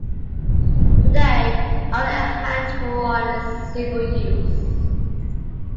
Today only a handful are in civil use.